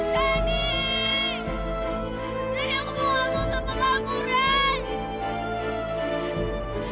tante aku mau ke kamu ren